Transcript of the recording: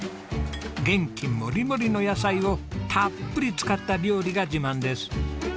元気もりもりの野菜をたっぷり使った料理が自慢です。